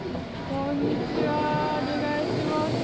お願いします。